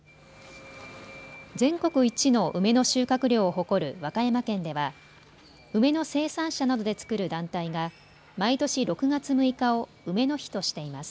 全国一の梅の収穫量を誇る和歌山県では梅の生産者などで作る団体が毎年６月６日を梅の日としています。